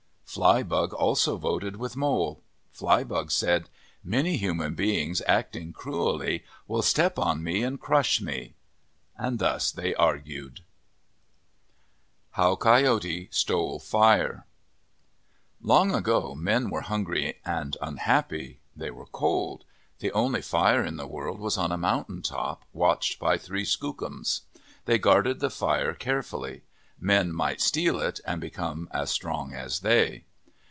Flybug also voted with Mole. Flybug said :" Many human beings, acting cruelly, will step on me and crush me." Thus they argued. 39 MYTHS AND LEGENDS HOW COYOTE STOLE FIRE EMG ago men were hungry and unhappy. They were cold. The only fire in the world was on a mountain top, watched by three Skookums. They guarded the fire carefully. Men might steal it and become as strong as they.